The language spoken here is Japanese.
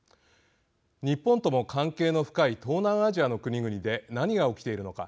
日本とも関係の深い東南アジアの国々で何が起きているのか。